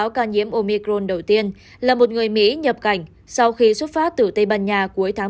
hiện nay các tỉnh có biên giới giáp với danh dịch omicron đầu tiên là một người mỹ nhập cảnh sau khi xuất phát từ tây ban nha cuối tháng một mươi một